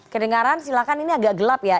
kedengaran silakan ini agak gelap ya